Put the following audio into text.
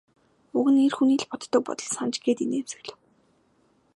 Уг нь эр хүний л боддог бодол санж гээд инээмсэглэв.